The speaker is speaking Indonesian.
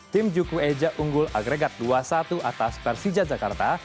tim juku eja unggul agregat dua satu atas persija jakarta